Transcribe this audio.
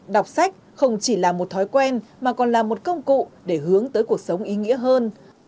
đọc sách không chỉ là một thói quen mà còn là một công cụ để hướng tới cuộc sống ý nghĩa hơn